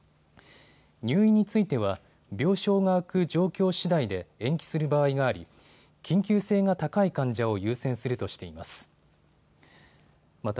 入院については病床が空く状況しだいで延期する場合があり緊急性が高い患者を優先するとしています。